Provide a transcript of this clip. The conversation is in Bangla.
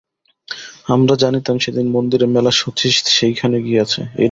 আমরা জানিতাম সেদিন মন্দিরে মেলা, শচীশ সেইখানে গিয়াছে।